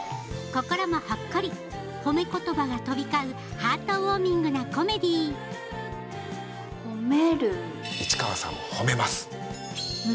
心もほっこりほめ言葉が飛び交うハートウォーミングなコメディーほめる。